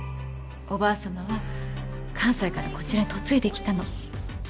おばあさまは関西からこちらへ嫁いできたの。